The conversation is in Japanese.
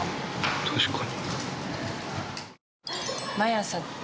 確かに。